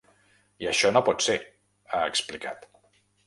I això no pot ser, ha explicat.